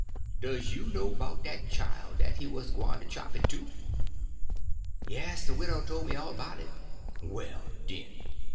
Does you know 'bout dat chile dat he 'uz gwyne to chop in two?" "Yes, the widow told me all about it." "Well, den!